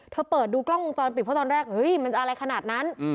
เปิดดูกล้องวงจรปิดเพราะตอนแรกเฮ้ยมันจะอะไรขนาดนั้น